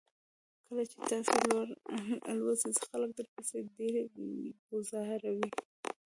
کله چې تاسو لوړ الوځئ خلک درپسې ډبرې ګوزاروي.